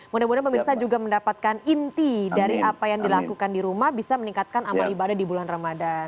mudah mudahan pemirsa juga mendapatkan inti dari apa yang dilakukan di rumah bisa meningkatkan amal ibadah di bulan ramadan